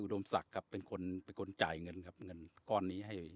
ดมศักดิ์ครับเป็นคนเป็นคนจ่ายเงินครับเงินก้อนนี้ให้